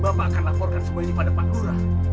bapak akan laporkan semua ini pada pak lurah